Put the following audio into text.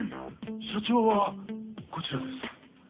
社長はこちらです。